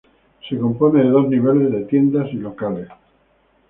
Se componen de dos niveles de tiendas y locales.